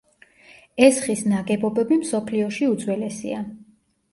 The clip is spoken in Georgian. ეს ხის ნაგებობები მსოფლიოში უძველესია.